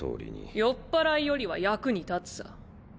酔っ払いよりは役に立つさ。